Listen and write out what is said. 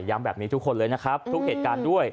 แบบนี้ทุกคนเลยนะครับทุกเหตุการณ์ด้วย